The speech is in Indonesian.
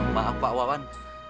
maaf pak wawan